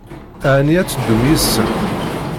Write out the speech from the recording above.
Ɛni ad teddum yid-sent?